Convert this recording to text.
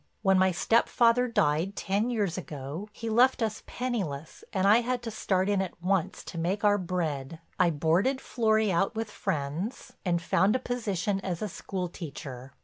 When my stepfather died, ten years ago, he left us penniless and I had to start in at once to make our bread. I boarded Florry out with friends and found a position as a school teacher.